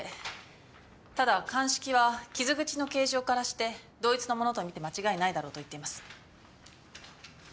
ただ鑑識は傷口の形状からして同一のものとみて間違いないだろうと言っています。